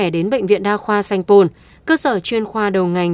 bộ trẻ đến bệnh viện đa khoa sanh pôn cơ sở chuyên khoa đầu ngành